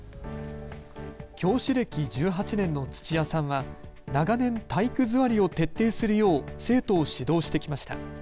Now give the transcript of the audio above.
教師歴１８年の土屋さんは長年、体育座りを徹底するよう生徒を指導してきました。